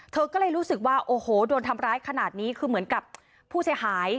เธอก็เลยรู้สึกว่าโอ้โหโดนทำร้ายขนาดนี้คือเหมือนกับผู้เสียหาย